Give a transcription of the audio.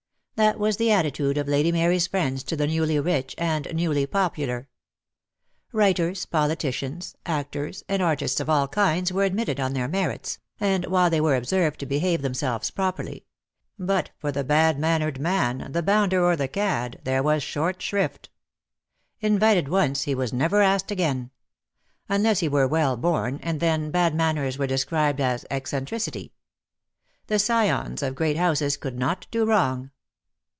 That was the attitude of Lady Mary's friends to the newly rich, and newly popular. Writers, politicians, actors, and artists of all kinds were admitted on their merits, and while they were observed to behave themselves properly; but for the bad mannered man, the bounder or the cad, there was short shrift. Invited once, he was never asked again. Unless he were well born, and then bad manners were described as eccentricity. The scions of great houses could not do wrong.